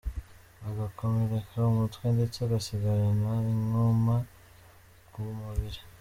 agakomereka umutwe ndetse agasigarana inguma ku mubiri.